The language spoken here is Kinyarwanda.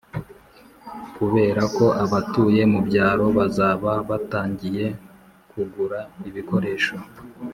kuberako abatuye mu byaro bazaba batangiye kugura ibikoresho